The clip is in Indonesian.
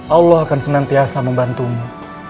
allah akan senantiasa membantumu